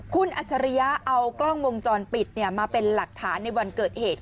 คุณอัจฉริยะเอากล้องวงจรปิดมาเป็นหลักฐานในวันเกิดเหตุ